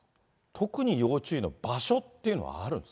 特に要注意の場所っていうのはあるんですか。